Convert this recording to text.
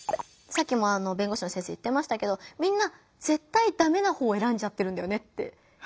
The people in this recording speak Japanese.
さっきも弁護士の先生言ってましたけどみんなぜったいダメな方選んじゃってるんだよねって。